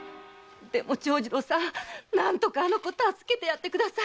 でも長次郎さん何とかあの子を助けてください！